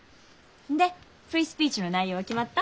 でフリースピーチの内容は決まった？